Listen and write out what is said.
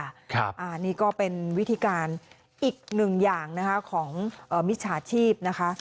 อันนี้ก็เป็นวิธีการอีกหนึ่งอย่างนะคะของมิจฉาชีพนะคะ